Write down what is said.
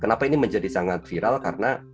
kenapa ini menjadi sangat viral karena